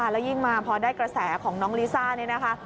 แล้วยิ่งมาพอได้กระแสของน้องลิซ่านี่นะคะ